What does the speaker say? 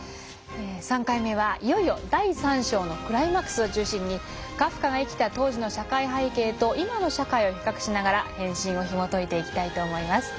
３回目はいよいよ第３章のクライマックスを中心にカフカが生きた当時の社会背景と今の社会を比較しながら「変身」をひもといていきたいと思います。